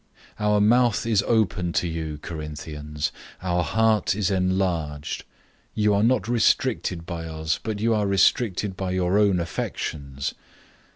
006:011 Our mouth is open to you, Corinthians. Our heart is enlarged. 006:012 You are not restricted by us, but you are restricted by your own affections.